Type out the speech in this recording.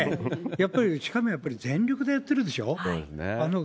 やっぱり、しかも全力でやってるでしょ。